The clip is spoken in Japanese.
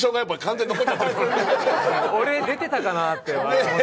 俺、出てたかなって思って。